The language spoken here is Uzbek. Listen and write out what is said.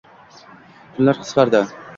Kunlar qisqardi